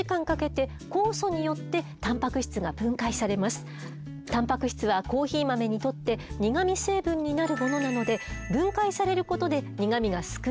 するとゾウが食べたコーヒー豆はたんぱく質はコーヒー豆にとって苦み成分になるものなので分解されることで苦みが少なくなります。